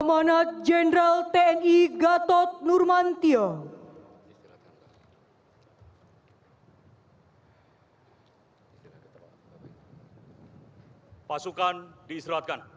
pemanah jenderal tni gatot nurmantia